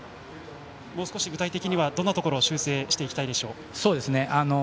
もう少し具体的にはどんなところ修正していきたいでしょう？